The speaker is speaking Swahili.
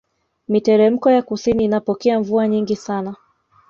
Miteremko ya kusini inapokea mvua nyingi sana